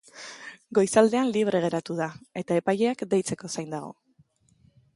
Goizaldean libre geratu da, eta epaileak deitzeko zain dago.